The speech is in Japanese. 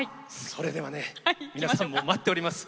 それではね皆さんもう待っております。